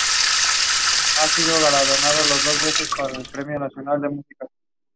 Over the years the class has carried six different liveries.